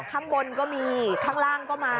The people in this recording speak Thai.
ข้างบนก็มีข้างล่างก็มา